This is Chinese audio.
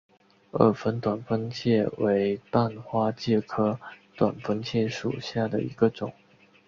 二分短蜂介为半花介科短蜂介属下的一个种。